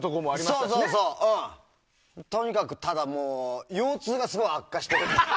ただ、とにかく腰痛がすごい悪化してる。